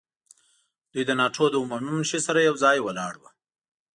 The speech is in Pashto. دوی د ناټو له عمومي منشي سره یو ځای ولاړ وو.